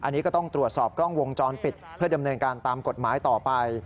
อันนี้ก็ต้องตรวจสอบกล้องวงจรปิดเพื่อดำเนินการตามกฎหมายต่อไป